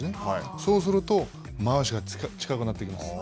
そうすると、まわしが近くなってきます。